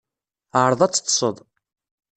Ԑreḍ ad teṭṭseḍ.